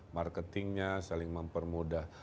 marketingnya saling mempermudah